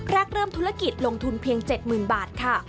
เริ่มธุรกิจลงทุนเพียง๗๐๐๐บาทค่ะ